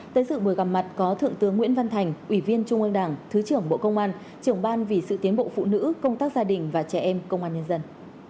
tới sự buổi gặp mặt có thượng tướng nguyễn văn thành ủy viên trung ương đảng thứ trưởng bộ công an trưởng ban vì sự tiến bộ phụ nữ công tác gia đình và trẻ em công an nhân dân